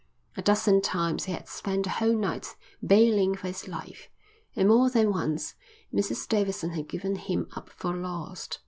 A dozen times he had spent the whole night baling for his life, and more than once Mrs Davidson had given him up for lost.